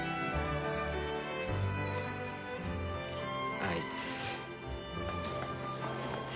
あいつ。